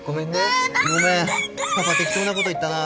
ごめんパパ適当なこと言ったな。